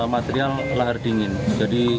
material lahar dingin jadi